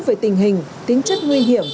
về tình hình tính chất nguy hiểm